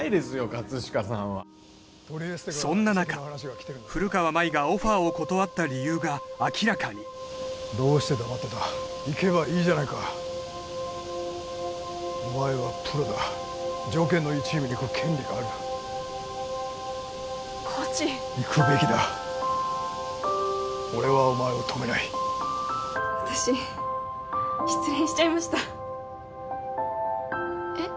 葛飾さんはそんな中古川舞がオファーを断った理由が明らかにどうして黙ってた行けばいいじゃないかお前はプロだ条件のいいチームに行く権利があるコーチ行くべきだ俺はお前を止めない私失恋しちゃいましたえっ？